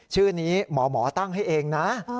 ชื่อนี้หมอตั้งให้เองนะ